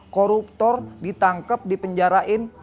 koruptor ditangkep dipenjarain